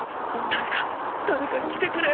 誰か誰か来てくれ！